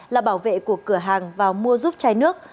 là bảo vệ của cửa hàng vào mua giúp chai nước